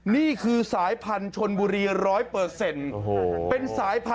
นี่คือสายพันธุ์ชนบุรี๑๐๐เปอร์เซ็นต์